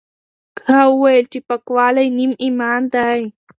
هغه وویل چې پاکوالی نیم ایمان دی.